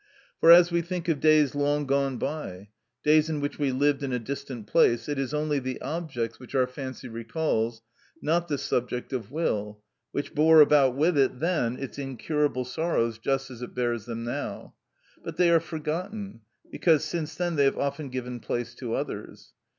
For as we think of days long gone by, days in which we lived in a distant place, it is only the objects which our fancy recalls, not the subject of will, which bore about with it then its incurable sorrows just as it bears them now; but they are forgotten, because since then they have often given place to others.